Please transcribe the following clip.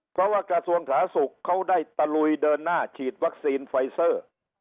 เพราะว่ากระทรวงสาธารณสุขเขาได้ตะลุยเดินหน้าฉีดวัคซีนไฟเซอร์